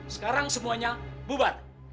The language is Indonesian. sekarang semuanya bubar